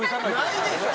ないでしょ！